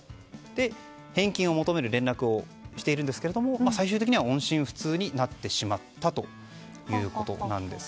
返金を求める連絡をしているんですけど最終的には音信不通になってしまった。